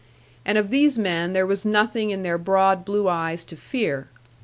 And of these men there was nothing in their broad blue eyes to fear.